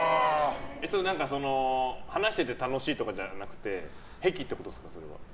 話していて楽しいとかじゃなくて癖ってことですか、それは。